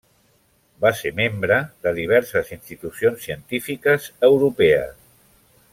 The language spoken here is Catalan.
Va ser membre de diverses institucions científiques europees.